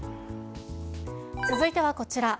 続いてはこちら。